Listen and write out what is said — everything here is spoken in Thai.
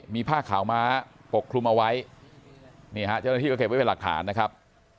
มีผ้าขาวม้าปกคลุมเอาไว้นี่ฮะเจ้าหน้าที่ก็เก็บไว้เป็นหลักฐานนะครับ